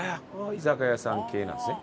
居酒屋さん系なんですね。